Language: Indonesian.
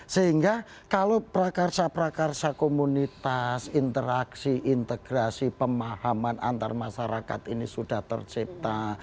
sehingga kalau prakarsa prakarsa komunitas interaksi integrasi pemahaman antar masyarakat ini sudah tercipta